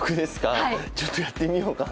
ちょっとやってみようかな。